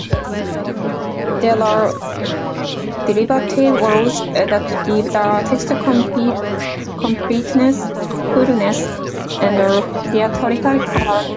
There are derivative words that give the text completeness, fullness and theatrical color.